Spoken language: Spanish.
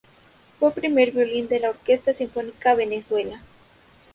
Fue primer violín de la Orquesta Sinfónica Venezuela.